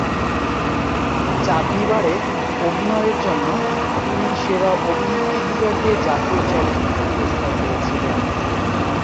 চাঁদনী বারে অভিনয়ের জন্য তিনি সেরা অভিনেত্রী বিভাগে জাতীয় চলচ্চিত্র পুরস্কার পেয়েছিলেন।